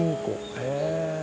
へえ。